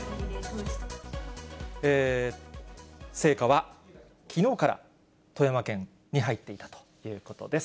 聖火はきのうから、富山県に入っていたということです。